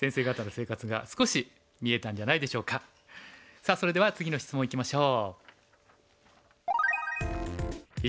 さあそれでは次の質問いきましょう。